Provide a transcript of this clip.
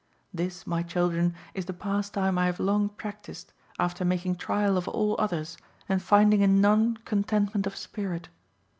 This, my children, is the pastime I have long practised, after making trial of all others and finding in none contentment of spirit.